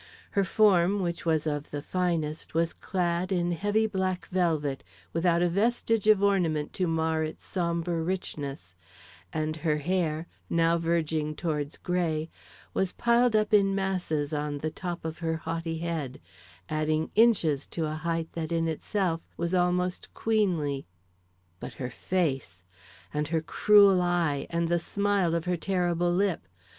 Her form, which was of the finest, was clad in heavy black velvet, without a vestige of ornament to mar its sombre richness, and her hair, now verging towards gray, was piled up in masses on the top of her haughty head, adding inches to a height that in itself was almost queenly. But her face! and her cruel eye and the smile of her terrible lip.